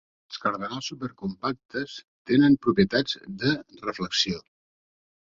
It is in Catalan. Els cardenals supercompactes tenen propietats de reflexió.